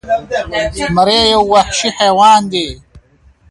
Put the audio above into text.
ستا خو په خزان پسي بهار دی بیا به نه وینو-